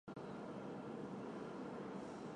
他也代表白俄罗斯国家足球队参赛。